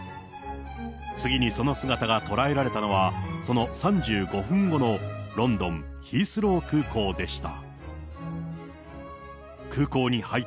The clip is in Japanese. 次にその姿が捉えられたのは、その３５分後のロンドン・ヒースロー空港でした。